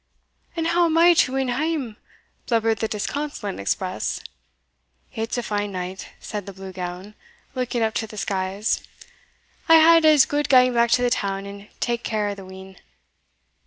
"And how am I to win hame?" blubbered the disconsolate express. "It's a fine night," said the Blue Gown, looking up to the skies; "I had as gude gang back to the town, and take care o' the wean."